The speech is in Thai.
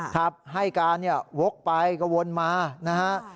ครับให้การเนี่ยวกไปก็วนมานะฮะ